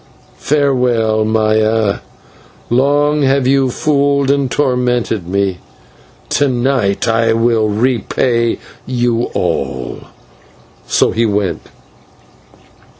Farewell, Maya; long have you fooled and tormented me; to night I will repay you all" and he went.